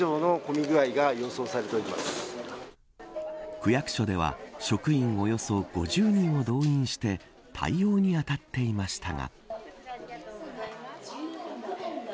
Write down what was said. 区役所では職員およそ５０人を動員して対応に当たっていましたが。